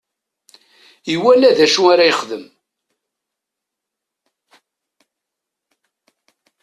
Iwala d acu ara yexdem.